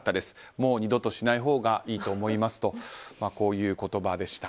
もう二度としないほうがいいと思いますとこういう言葉でした。